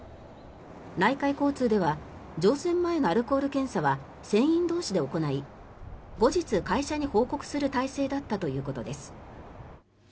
内海交通では乗船前のアルコール検査は船員同士で行い後日、会社に報告する体制だったということです。